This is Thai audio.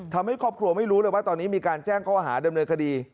ทำให้ครอบครัวไม่รู้เลยว่าตอนนี้มีการแจ้งข้อหาดำเนินคดี